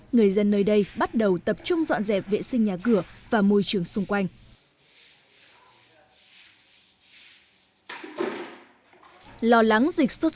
người dân nơi đây bắt đầu tập trung dọn dẹp vệ sinh nhà cửa và môi trường xuống